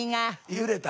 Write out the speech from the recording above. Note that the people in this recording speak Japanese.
「揺れた」。